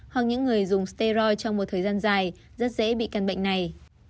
hoặc những người dùng sty trong một thời gian dài rất dễ bị căn bệnh này